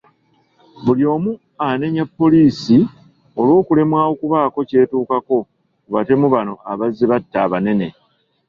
Buli omu anenya poliisi olw’okulemwa okubaako ky’etuukako ku batemu bano abazze batta abanene.